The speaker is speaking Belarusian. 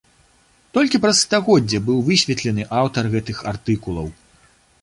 Толькі праз стагоддзе быў высветлены аўтар гэтых артыкулаў.